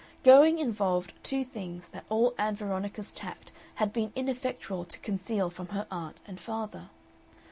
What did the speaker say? Going involved two things that all Ann Veronica's tact had been ineffectual to conceal from her aunt and father.